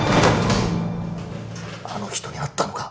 あの人に会ったのか！？